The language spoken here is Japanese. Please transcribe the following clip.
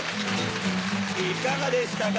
いかがでしたか